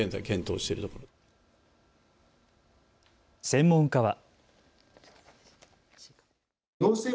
専門家は。